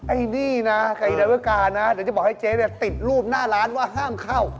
อันนี้นะไอดัวการนะเดี๋ยวจะบอกให้เจ๊ติดรูปหน้าร้านว่าห้ามเข้า